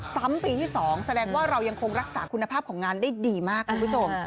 ซ้ำปีที่๒แสดงว่าเรายังคงรักษาคุณภาพของงานได้ดีมากคุณผู้ชม